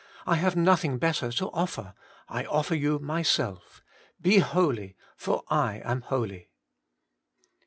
I have nothing better to offer I offer you myself :' Be holy, for I am holy.'